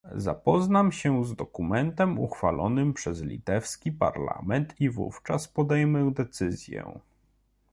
Zapoznam się z dokumentem uchwalonym przez litewski parlament i wówczas podejmę decyzję